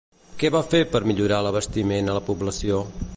Què va fer per millorar l'abastiment a la població?